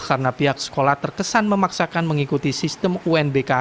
karena pihak sekolah terkesan memaksakan mengikuti sistem unbk